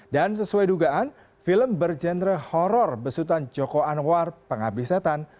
dan sesuai dugaan film bergenre horror besutan joko anwar pengabdi setan